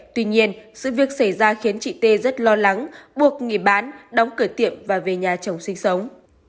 tuy nhiên sự việc xảy ra khiến chị t rất lo lắng buộc nghỉ bán đóng cửa tiệm và về nhà chồng sinh sống